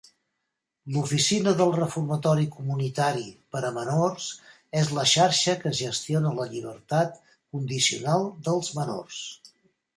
L'Oficina del Reformatori Comunitari per a Menors és la xarxa que gestiona la llibertat condicional dels menors.